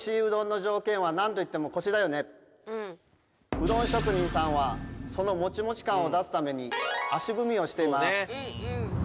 うどん職人さんはそのモチモチ感を出すために「足踏み」をしています。